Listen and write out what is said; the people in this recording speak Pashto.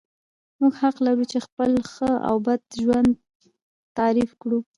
موږ حق لرو چې خپل ښه او بد ژوند تعریف کړو.